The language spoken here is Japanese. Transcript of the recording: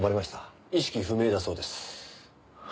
意識不明だそうです。